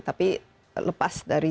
tapi lepas dari